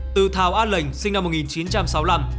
từ thảo an lệnh sinh năm một nghìn chín trăm sáu mươi năm